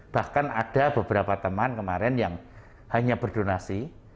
bahkan ada beberapa teman kemarin yang hanya berdonasi